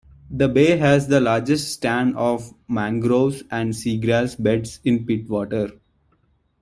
The bay has the largest stand of mangroves and sea grass beds in Pittwater.